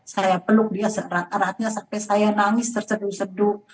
saya peluk dia seerat eratnya sampai saya nangis tercedul cedul